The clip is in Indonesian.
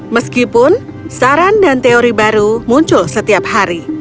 meskipun saran dan teori baru muncul setiap hari